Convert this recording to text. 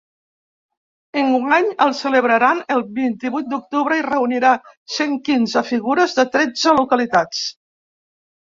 Enguany el celebraran el vint-i-vuit d’octubre i reunirà cent quinze figures de tretze localitats.